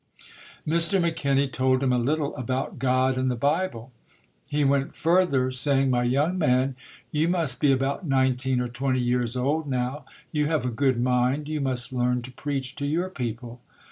Mr. McKenny told him a little about God and the Bible. He went further, saying, "My young man, you must be about nineteen or twenty years old now. You have a good mind. You must learn to preach to your people".